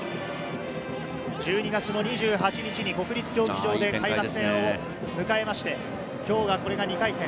１２月の２８日に国立競技場で開幕戦を迎えまして、今日がこれが２回戦。